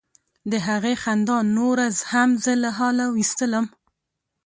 د هغې خندا نوره هم زه له حاله ویستلم.